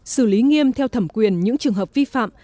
xử lý nghiêm theo thẩm quyền những trường hợp vi phạm